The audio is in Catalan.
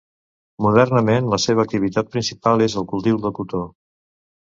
Modernament la seva activitat principal és el cultiu del cotó.